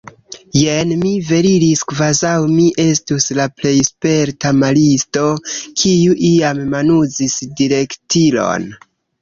Jen mi veliris kvazaŭ mi estus la plej sperta maristo, kiu iam manuzis direktilon.